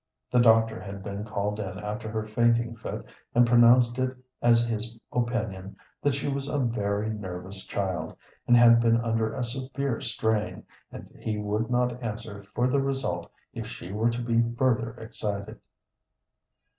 The doctor had been called in after her fainting fit, and pronounced it as his opinion that she was a very nervous child, and had been under a severe strain, and he would not answer for the result if she were to be further excited.